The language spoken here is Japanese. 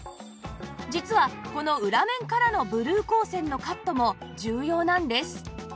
実はこの裏面からのブルー光線のカットも重要なんです